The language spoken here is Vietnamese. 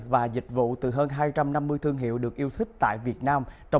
và dịch vụ từ hơn hai trăm năm mươi thương hiệu được yêu thích tại việt nam